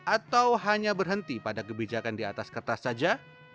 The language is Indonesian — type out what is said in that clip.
atau hanya berhenti pada kebijakan di atas kertas saja